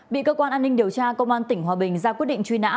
bị cơ quan an ninh điều tra công an tỉnh hòa bình ra quyết định truy nã